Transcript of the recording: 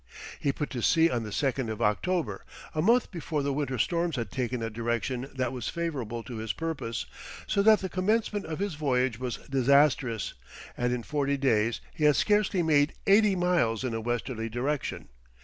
He put to sea on the second of October, a month before the winter storms had taken a direction that was favourable to his purpose, so that the commencement of his voyage was disastrous, and in forty days he had scarcely made eighty miles in a westerly direction.